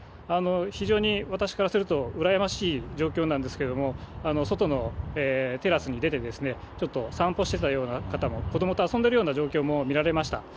非常に私からすると、羨ましい状況なんですけれども、外のテラスに出て、ちょっと散歩してたような方も、子どもと遊んでるような状況も見られました。